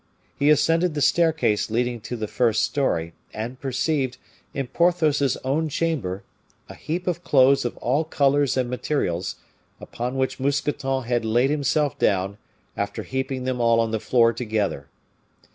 He ascended the staircase leading to the first story, and perceived, in Porthos's own chamber, a heap of clothes of all colors and materials, upon which Mousqueton had laid himself down after heaping them all on the floor together.